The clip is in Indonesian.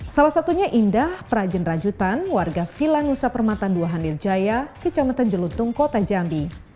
salah satunya indah perajin rajutan warga vilan nusa permata dua handir jaya kecamatan jelutung kota jambi